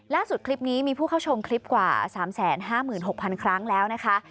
คลิปนี้มีผู้เข้าชมคลิปกว่า๓๕๖๐๐๐ครั้งแล้วนะคะ